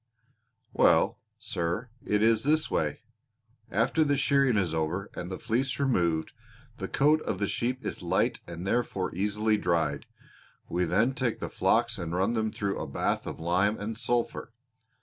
"Well, sir, it is this way. After the shearing is over and the fleece removed, the coat of the sheep is light and therefore easily dried. We then take the flocks and run them through a bath of lime and sulphur.